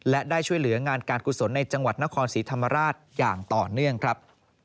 และได้ช่วยเหลืองานการกุศลในจังหวัดนครศรีธรรมราชอย่างต่อเนื่องครับ